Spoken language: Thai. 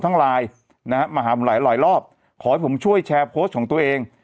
ทั้งลายนะมาหาหลายรอบขอให้ผมช่วยแชร์โพสต์ของตัวเอง